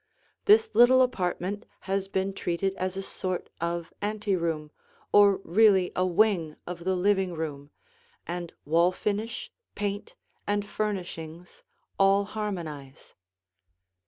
This little apartment has been treated as a sort of anteroom or really a wing of the living room, and wall finish, paint, and furnishings all harmonize.